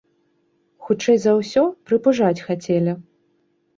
Хутчэй за ўсё, прыпужаць хацелі.